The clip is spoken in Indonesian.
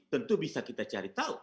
tentu bisa kita cari tahu